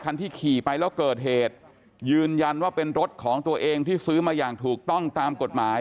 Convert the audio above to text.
ที่ขี่ไปแล้วเกิดเหตุยืนยันว่าเป็นรถของตัวเองที่ซื้อมาอย่างถูกต้องตามกฎหมาย